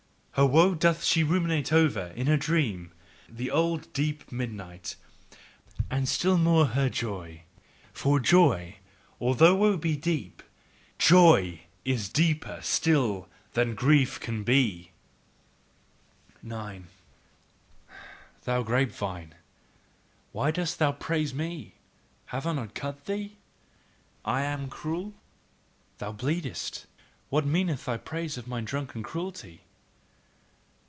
Her woe doth she ruminate over, in a dream, the old, deep midnight and still more her joy. For joy, although woe be deep, JOY IS DEEPER STILL THAN GRIEF CAN BE. 9. Thou grape vine! Why dost thou praise me? Have I not cut thee! I am cruel, thou bleedest : what meaneth thy praise of my drunken cruelty?